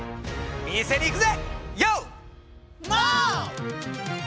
店に行くぜ！